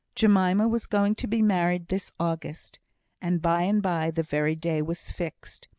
Jemima was going to be married this August, and by and by the very day was fixed.